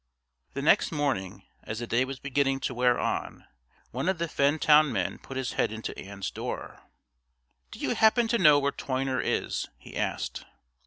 The next morning, as the day was beginning to wear on, one of the Fentown men put his head into Ann's door. "Do you happen to know where Toyner is?" he asked.